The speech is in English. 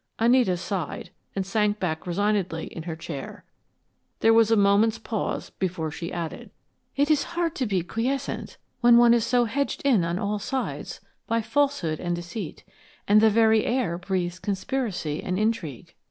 Anita sighed and sank back resignedly in her chair. There was a moment's pause before she added: "It is hard to be quiescent when one is so hedged in on all sides by falsehood and deceit and the very air breathes conspiracy and intrigue.